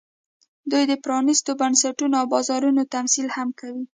دوی د پرانېستو بنسټونو او بازارونو تمثیل هم کوي